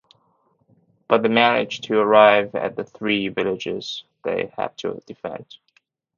But they managed to arrive at the three villages they have to defend.